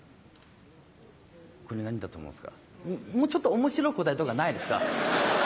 もうちょっと面白い答えとかないですか？